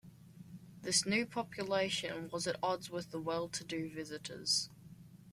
This new population was at odds with the well-to-do visitors.